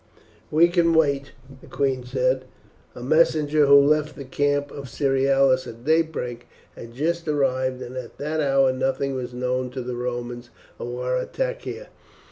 "We can wait," the queen said. "A messenger, who left the camp of Cerealis at daybreak, has just arrived, and at that hour nothing was known to the Romans of our attack here.